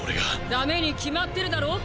ダメに決まってるだろ！！